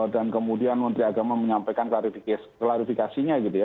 dan kemudian kementerian agama menyampaikan klarifikasinya gitu ya